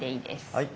はい。